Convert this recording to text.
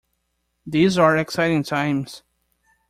These are exciting times.